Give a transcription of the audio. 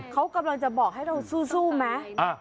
เขากำลังจะบอกให้เราสู้ไหม